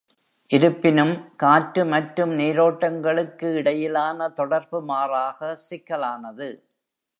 இருப்பினும், காற்று மற்றும் நீரோட்டங்களுக்கு இடையிலான தொடர்பு மாறாக சிக்கலானது.